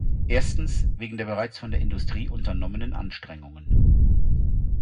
Erstens, wegen der bereits von der Industrie unternommenen Anstrengungen.